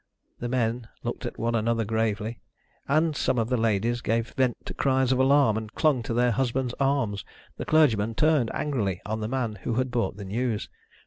The men looked at one another gravely, and some of the ladies gave vent to cries of alarm, and clung to their husband's arms. The clergyman turned angrily on the man who had brought the news.